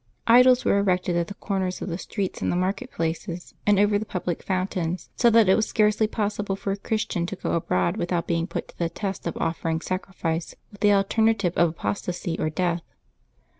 Idols were erected at the corners of the streets, in the market places, and over the public fountains, so that it was scarcely possible for a Christian to go abroad without being put to the test of offering sacrifice, with the alterna tive of apostasy or death.